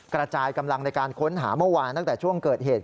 กระจายกำลังในการค้นหาเมื่อวานตั้งแต่ช่วงเกิดเหตุ